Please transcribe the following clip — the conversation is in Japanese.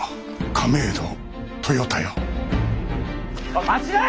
おい待ちな！